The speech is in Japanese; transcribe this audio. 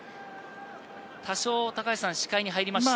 多少視界に入りましたか。